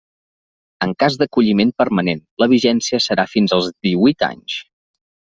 En cas d'acolliment permanent la vigència serà fins als díhuit anys.